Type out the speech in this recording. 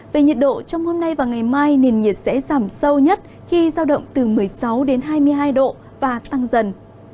về nhiệt độ trong hôm nay và ngày mai nền nhiệt sẽ giảm sâu nhất khi giao động từ một mươi sáu đến hai mươi hai độ và tăng dần